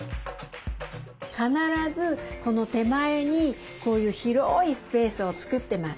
必ずこの手前にこういう広いスペースを作ってます。